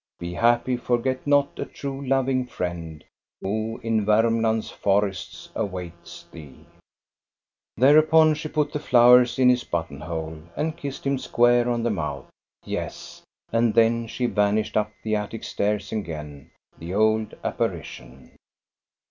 Be happy : forget not a true, loving friend Who in Varmland's forests awaits thee 1 " Thereupon she put the flowers in his button hole and kissed him square on the mouth. Yes, and then she vanished up the attic stairs again, the old apparition.